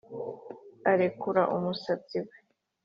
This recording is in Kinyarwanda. arekura umusatsi we